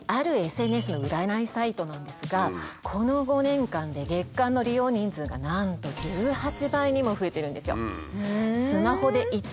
あるＳＮＳの占いサイトなんですがこの５年間で月間の利用人数がなんと１８倍にも増えてるんですよ。